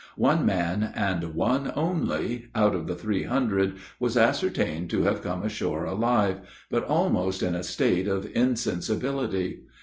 One man and one only out of the three hundred, was ascertained to have come ashore alive, but almost in a state of insensibility.